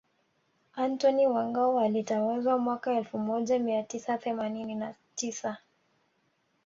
Antony wa Ngao alitawazwa mwaka elfu moja mia tisa themanini na tisa